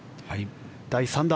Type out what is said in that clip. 第３打。